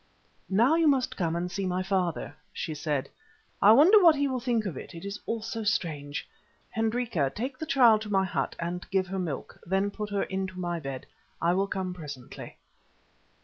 "Now you must come and see my father," she said. "I wonder what he will think of it, it is all so strange. Hendrika, take the child to my hut and give her milk, then put her into my bed; I will come presently."